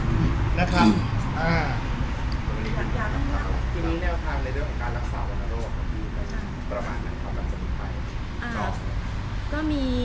ทีนี้เนี่ยค่ะในเรื่องของการรักษาวันโรคมีประมาณนั้นครับกับสมมุติใคร